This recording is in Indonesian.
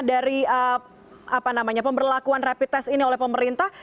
dari pemberlakuan rapid test ini oleh pemerintah